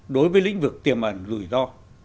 đối với lĩnh vực tiềm ẩn rủi ro